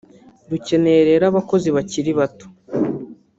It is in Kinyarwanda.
rukeneye rero abakozi bakiri bato